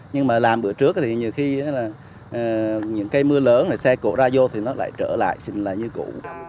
nhưng mà làm bữa trước thì nhiều khi những cây mưa lớn xe cổ ra vô thì nó lại trở lại như cũ